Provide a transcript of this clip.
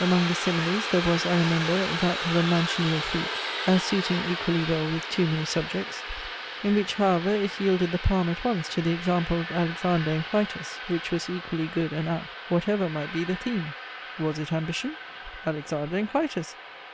Among the similes, there was, I remember, that of the manchineel fruit, as suiting equally well with too many subjects; in which however it yielded the palm at once to the example of Alexander and Clytus, which was equally good and apt, whatever might be the theme. Was it ambition? Alexander and Clytus!